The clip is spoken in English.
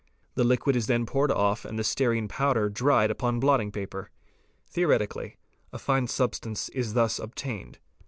The liquid is then poured off and the stearine powder dried upon t blotting paper. Theoretically a fine substance is thus obtained.